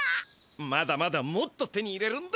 まだまだもっと手に入れるんだ。